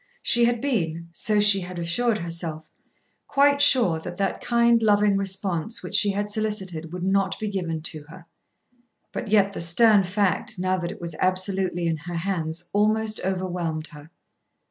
She had been, so she had assured herself, quite sure that that kind, loving response which she had solicited, would not be given to her. But yet the stern fact, now that it was absolutely in her hands, almost overwhelmed her.